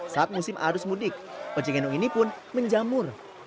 saat musim arus mudik ojek gendong ini pun menjamur